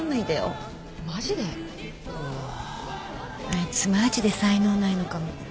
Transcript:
あいつマジで才能ないのかも？